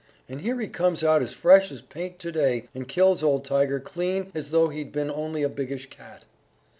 and here he comes out as fresh as paint to day, and kills old Tiger clean off as though he'd been only a biggish cat!"